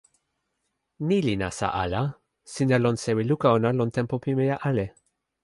ni li nasa ala. sina lon sewi luka ona lon tenpo pimeja ale.